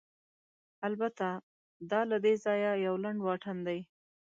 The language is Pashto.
البته، دا له دې ځایه یو لنډ واټن دی.